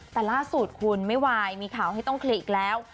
แต่ล่าสุดคุณไม่ไหวมีข่าวให้ต้องเคลียร์อีกแล้ว